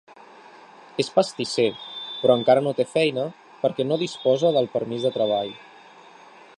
És pastisser, però encara no té feina perquè no disposa del permís de treball.